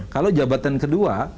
kalau jabatan kedua